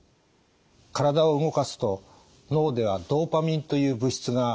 体を動かすと脳ではドパミンという物質が放出されます。